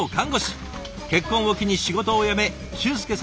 結婚を機に仕事を辞め俊介さんとこの島へ。